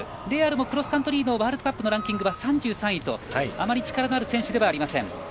レーアルもクロスカントリーのワールドカップランキングは３３位とあまり力のある選手ではありません。